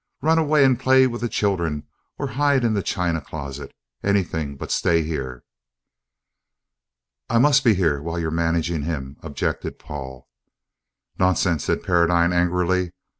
Run away and play with the children or hide in the china closet anything but stay here." "I I must be here while you are managing him," objected Paul. "Nonsense!" said Paradine angrily.